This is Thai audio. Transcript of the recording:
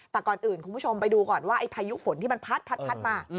แต่ก่อนอื่นคุณผู้ชมไปดูก่อนว่าไอ้พายุฝนที่มันพัดมา